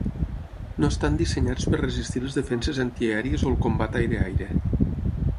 No estan dissenyats per resistir les defenses antiaèries o el combat aire - aire.